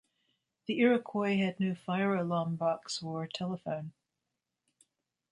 The Iroquois had no fire alarm box or telephone.